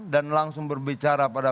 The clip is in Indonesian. dan langsung berbicara pada